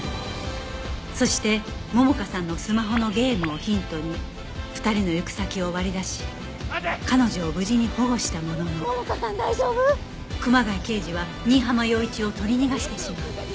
そして桃香さんのスマホのゲームをヒントに２人の行く先を割り出し彼女を無事に保護したものの熊谷刑事は新浜陽一を取り逃がしてしまう